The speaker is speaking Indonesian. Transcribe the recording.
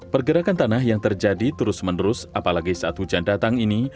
pergerakan tanah yang terjadi terus menerus apalagi saat hujan datang ini